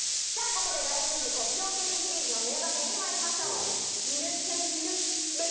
ここで大人気国境警備シリーズの名場面にまいりましょう。